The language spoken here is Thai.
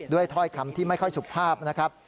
ถ้อยคำที่ไม่ค่อยสุภาพนะครับ